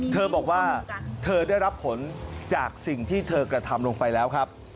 เธอบอกว่าเธอได้รับผลจากสิ่งที่เธอกระทำลงไปแล้วครับ